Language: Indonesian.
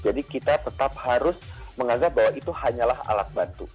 jadi kita tetap harus mengagak bahwa itu hanyalah alat bantu